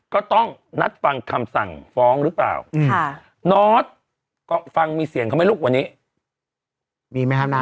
ก็ต้องนัดฟังคำสั่งฟ้องหรือเปล่านอทก็ฟังมีเสียงเขาไหมลูกวันนี้มีไหมครับน้า